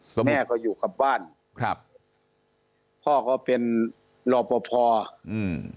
สมุดพ่ออยู่กับบ้านครับพ่อเค้าเป็นรอพอภอกครับ